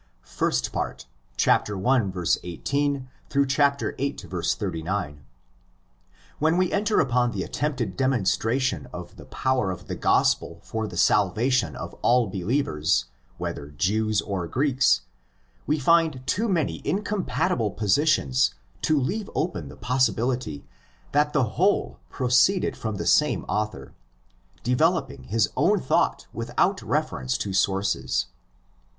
First Part: 1. 18—vii. 39. When we enter upon the attempted demonstration of the power of the Gospel for the salvation of all believers, whether Jews or Greeks, we find too many incompatible positions to leave open the possibility that the whole proceeded from the same author, deve loping his own thought without reference to sources.